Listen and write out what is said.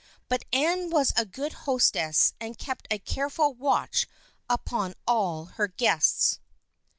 But Anne was a good hostess and kept a careful watch upon all her guests.